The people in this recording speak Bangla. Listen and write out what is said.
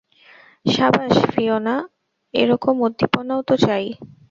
সাবাস ফিয়োনা, এরকম উদ্দীপনাই তো চাই।